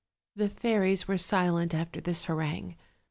"The fairies were silent after this harangue.